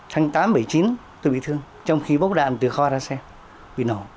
tháng tám bảy mươi chín tôi bị thương trong khi bốc đạn từ kho ra xe bị nổ